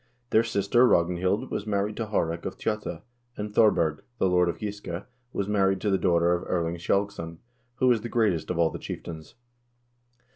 Their sister Ragnhild was married to Haarek of Tjotta, and Thorberg, the lord of Giske, was married to the daughter of Erling Skjalgsson, who was the greatest of all the chieftains.